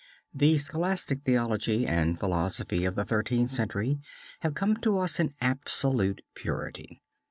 The scholastic theology and philosophy of the Thirteenth Century have come to us in absolute purity.